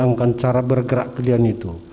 dia mengatakan cara bergerak ke dada